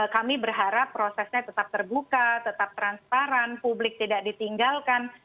kami berharap prosesnya tetap terbuka tetap transparan publik tidak ditinggalkan